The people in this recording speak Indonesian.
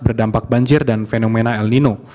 berdampak banjir dan fenomena el nino